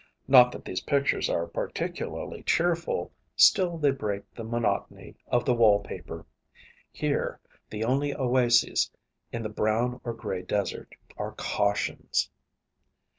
Not that these pictures are particularly cheerful, still they break the monotony of the wall paper. Here the only oases in the brown or gray desert are cautions.